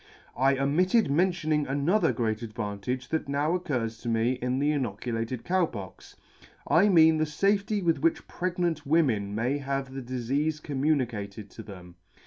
" I omitted mentioning another great advantage that now occurs to me in the inoculated Cow Pox ; I mean the fafety with which pregnant women may have the difeafe communicated to them.